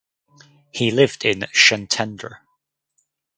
He lived in Szentendre.